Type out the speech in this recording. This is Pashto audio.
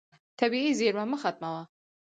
طبیعي زیرمه مه ختموه.